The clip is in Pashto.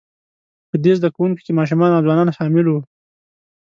په دې زده کوونکو کې ماشومان او ځوانان شامل وو،